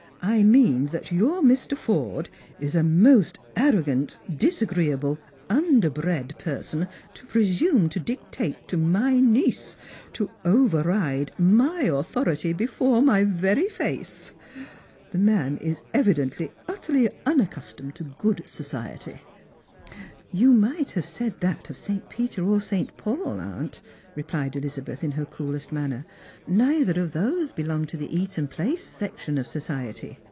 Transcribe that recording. "I mean that your Mr. Eorde is a most arrogant, disagreeable, under bred person to presume to dictate to my niece — to over ride my authority before my very face ! The man is evidently utterly unaccustomed to good society." " You might have said that of St. Peter or St. Paul, aunt,'' replied Ehzabeth in her coolest manner; " neither of those be longed to the Eaton place section of society.